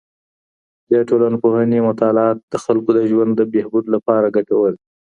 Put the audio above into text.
د ټولنپوهنې مطالعات د خلکو د ژوند د بهبود لپاره ګټور دي.